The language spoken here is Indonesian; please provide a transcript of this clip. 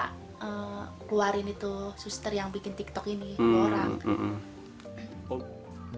kita keluarin itu suster yang bikin tiktok ini ke orang